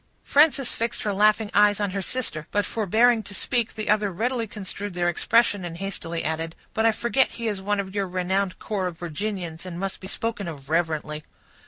Frances fixed her laughing eyes on her sister; but forbearing to speak, the other readily construed their expression, and hastily added, "But I forget he is one of your renowned corps of Virginians, and must be spoken of reverently."